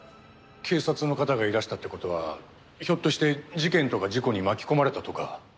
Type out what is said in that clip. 警察の方がいらしたって事はひょっとして事件とか事故に巻き込まれたとか。